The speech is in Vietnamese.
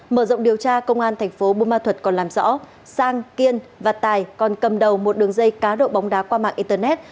mở rộng điều tra công an thành phố bô ma thuật còn làm rõ sang kiên và tài còn cầm đầu một đường dây cá độ bóng đá qua mạng internet